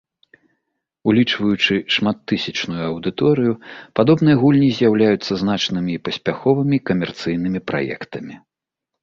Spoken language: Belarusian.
Улічваючы шматтысячную аўдыторыю, падобныя гульні з'яўляюцца значнымі і паспяховымі камерцыйнымі праектамі.